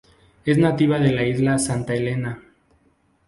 Es nativa de la Isla Santa Elena.